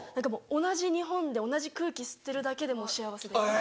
同じ日本で同じ空気吸ってるだけでもう幸せです。